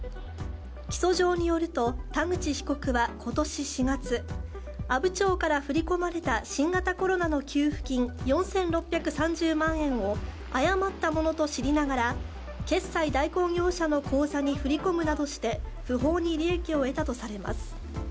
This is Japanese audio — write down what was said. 起訴状によると、田口被告は今年４月阿武町から振り込まれた新型コロナの給付金４６３０万円を誤ったものと知りながら決済代行業者の口座に振り込むなどして不法に利益を得たとされます。